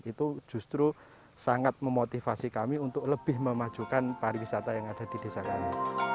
itu justru sangat memotivasi kami untuk lebih memajukan pariwisata yang ada di desa kami